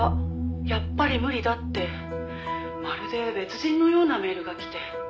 やっぱり無理だ”ってまるで別人のようなメールが来て」